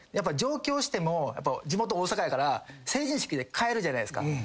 上京しても地元大阪やから成人式で帰るじゃないっすか。